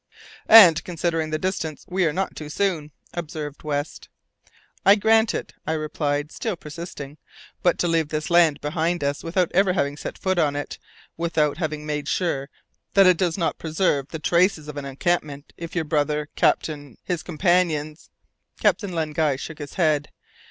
"And, considering the distance, we are not too soon," observed West. "I grant it," I replied, still persisting. "But, to leave this land behind us without ever having set foot on it, without having made sure that it does not preserve the traces of an encampment, if your brother, captain his companions " Captain Len Guy shook his head.